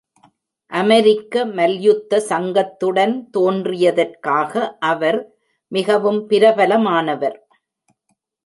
அமெரிக்க மல்யுத்த சங்கத்துடன் தோன்றியதற்காக அவர் மிகவும் பிரபலமானவர்.